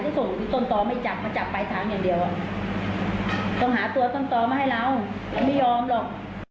ส่งที่ต้นต่อไม่จับมาจับปลายทางอย่างเดียวต้องหาตัวต้นต่อมาให้เรามันไม่ยอมหรอก